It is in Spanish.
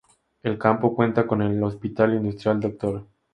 El campo cuenta con el Hospital Industrial “Dr.